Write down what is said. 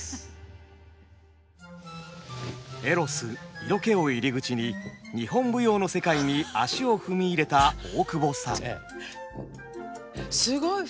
エロス色気を入り口に日本舞踊の世界に足を踏み入れた大久保さん。